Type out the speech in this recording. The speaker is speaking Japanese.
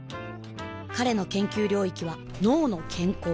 彼の研究領域は「脳の健康」